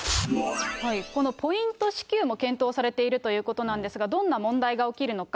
このポイント支給も検討されているということなんですが、どんな問題が起きるのか。